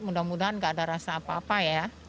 mudah mudahan gak ada rasa apa apa ya